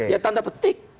ya tanda petik